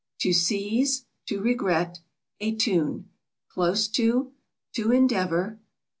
To seize. To regret. A tune. Close to. To endeavor.